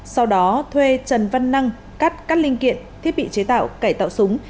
sau đó thuê trần văn năng cắt các linh kiện thiết bị chế tạo cải tạo súng